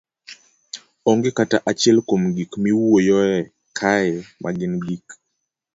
Onge kata achiel kuom gik miwuoyoe kae ma gin gik